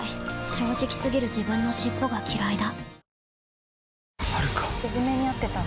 正直過ぎる自分の尻尾がきらいだ